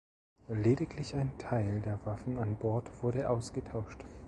Lediglich ein Teil der Waffen an Bord wurde ausgetauscht.